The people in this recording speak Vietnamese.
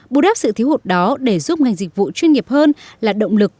bù đáp sự thiếu hụt đó để giúp ngành dịch vụ chuyên nghiệp hơn là động lực